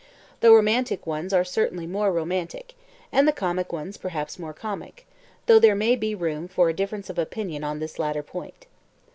The romantic ones are certainly more romantic, and the comic ones perhaps more comic, though there may be room for a difference of opinion on this latter point.